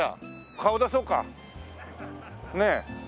顔出そうかねえ。